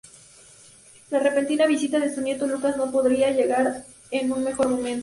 La repentina visita de su nieto Lucas no podría llegar en mejor momento.